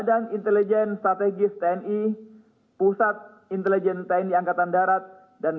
d bknri bersama bin bnpt bahis busat intelijen tni angkatan darat dan bins